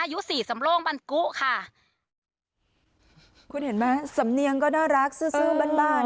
อายุสี่สำโล่งบรรกุค่ะคุณเห็นไหมสำเนียงก็น่ารักซื้อซื้อบ้านบ้าน